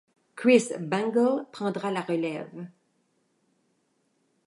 Chris Bangle prendra la relève.